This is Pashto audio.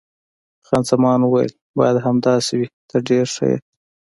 خان زمان وویل: باید همداسې وي، ته ډېر ښه یې.